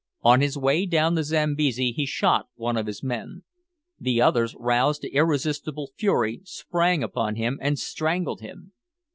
On his way down the Zambesi he shot one of his men. The others, roused to irresistible fury, sprang upon him and strangled him.